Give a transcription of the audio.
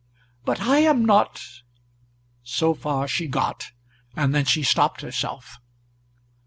"But I am not ." So far she got, and then she stopped herself.